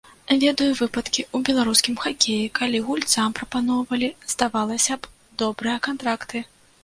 Ведаю выпадкі ў беларускім хакеі, калі гульцам прапаноўвалі, здавалася б, добрыя кантракты.